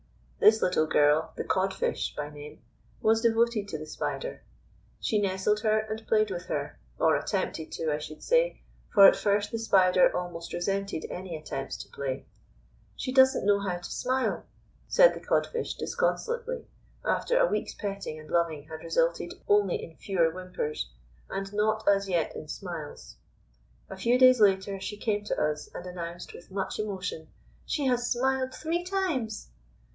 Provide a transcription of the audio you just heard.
This little girl, the Cod fish by name, was devoted to the Spider. She nestled her and played with her or attempted to, I should say, for at first the Spider almost resented any attempts to play. "She doesn't know how to smile!" said the Cod fish disconsolately after a week's petting and loving had resulted only in fewer whimpers, but not as yet in smiles. A few days later she came to us, and announced with much emotion: "She has smiled three times!"